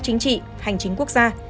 chính trị hành chính quốc gia